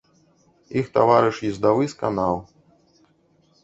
Іх таварыш ездавы сканаў.